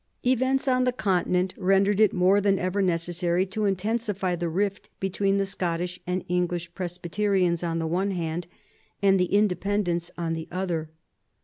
88 MAZARIN ohap. Events on the Continent rendered it more than ever necessary to intensify the rift between the Scottish and English Presbyterians on the one hand and the Inde pendents on the other.